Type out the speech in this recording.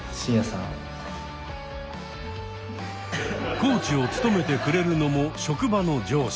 コーチを務めてくれるのも職場の上司。